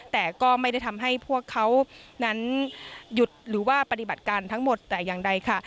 แต่ก็ไม่ได้ทำให้พวกเขานั้นหยุดหรือว่าปฏิบัติการทั้งหมดแต่อย่างใดค่ะ